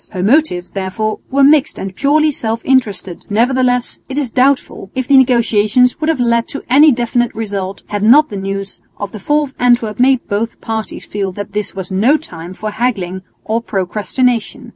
Her motives therefore were mixed and purely self interested; nevertheless it is doubtful if the negotiations would have led to any definite result, had not the news of the fall of Antwerp made both parties feel that this was no time for haggling or procrastination.